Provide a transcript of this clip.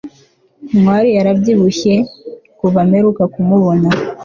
ntwali yarabyibushye kuva mperuka kumubona